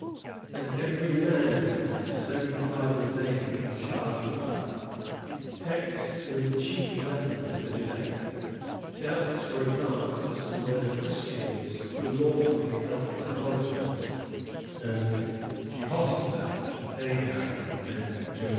As every man of them had studied the Bible daily from childhood up, texts were the chief weapons of the debate. Doubts were advanced as to whether Christians could law fully help idolaters, and Jehoshaphat, Ahab, and 80 LA TOUR AND THE PURITANS.